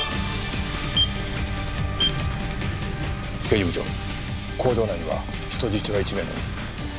刑事部長工場内には人質が１名のみ。